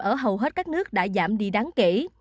ở hầu hết các nước đã giảm đi đáng kể